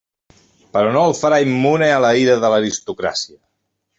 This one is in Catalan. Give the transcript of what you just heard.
Però no el farà immune a la ira de l'aristocràcia.